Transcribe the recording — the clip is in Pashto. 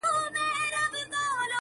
ملنګه جهاني د پاچاهانو دښمني ده -